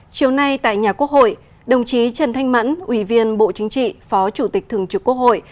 chiều nay tại nhà quốc hội đồng chí trần thanh mẫn ủy viên bộ chính trị phó chủ tịch thường trực quốc hội